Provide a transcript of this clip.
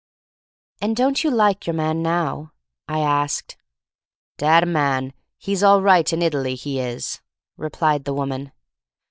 "And don't you like your man now?" I asked. "Dat a man, he's all right, in Italy — he is," replied the woman.